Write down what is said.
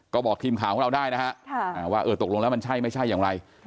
ก็บอกทีมข่าวของเราได้นะฮะว่าเออตกลงแล้วมันใช่ไม่ใช่อย่างไร